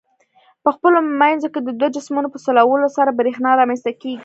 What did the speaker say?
په خپلو منځو کې د دوو جسمونو په سولولو سره برېښنا رامنځ ته کیږي.